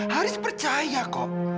haris percaya kok